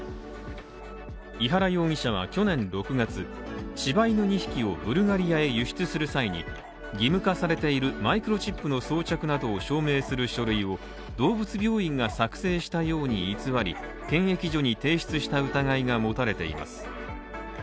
井原容疑者は去年６月、柴犬２匹をブルガリアへ輸出する際に義務化されているマイクロチップの装着などを証明する書類を動物病院が作成したように偽り、検疫所に提出した疑いが持たれています。